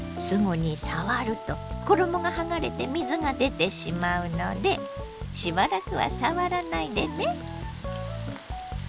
すぐに触ると衣がはがれて水が出てしまうのでしばらくは触らないでね。